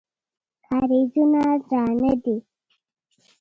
کارېزونه درانه دي.